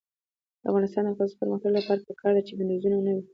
د افغانستان د اقتصادي پرمختګ لپاره پکار ده چې بندیزونه نه وي.